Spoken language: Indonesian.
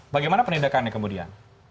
bagaimana penindakannya kemudian